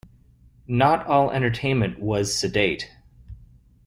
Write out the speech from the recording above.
Not all entertainment was sedate.